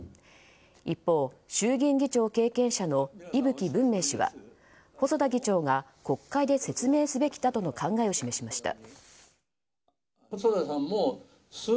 一方、衆議院議長経験者の伊吹文明氏は細田議長が国会で説明すべきとの考えを示しました。